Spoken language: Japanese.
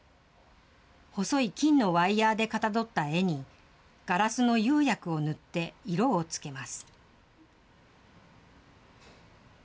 細い金のワイヤーでかたどった絵に、ガラスの釉薬を塗って色を付けます。